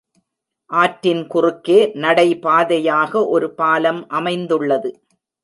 ஆற்றின் குறுக்கே நடை பாதையாக ஒரு பாலம் அமைந்துள்ளது.